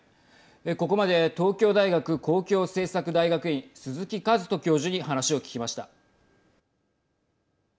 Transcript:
ここまで東京大学公共政策大学院鈴木一人教授に話を聞きました。